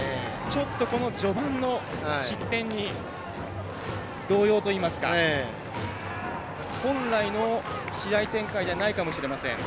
ちょっと序盤の失点に動揺といいますか本来の試合展開ではないかもしれません。